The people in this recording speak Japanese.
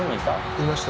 いました